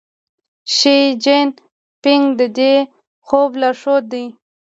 شي جین پینګ د دې خوب لارښود دی.